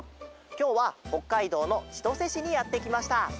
きょうはほっかいどうのちとせしにやってきました。